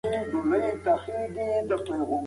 تکنالوژي بايد د بشر په ګټه وکارول سي.